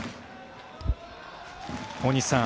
大西さん